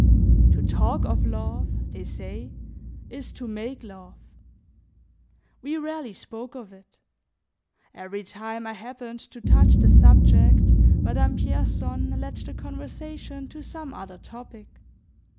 To talk of love, they say, is to make love. We rarely spoke of it. Every time I happened to touch the subject Madame Pierson led the conversation to some other topic.